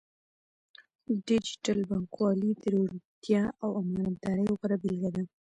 ډیجیټل بانکوالي د روڼتیا او امانتدارۍ غوره بیلګه ده.